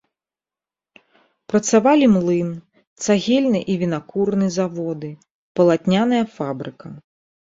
Працавалі млын, цагельны і вінакурны заводы, палатняная фабрыка.